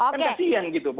kan kasihan gitu